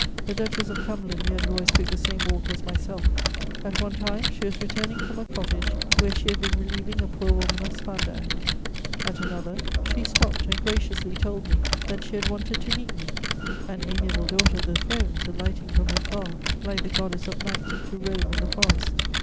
The Duchess of Cumberland nearly always took the same walk as myself: at one time, she was returning from a cottage where she had been relieving a poor woman of Spandau; at another, she stopped and graciously told me that she had wanted to meet me: an amiable daughter of the thrones alighting from her car, like the Goddess of Night, to roam in the forest!